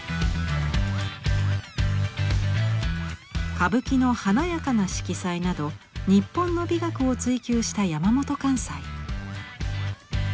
歌舞伎の華やかな色彩など日本の美学を追求した山本寛斎。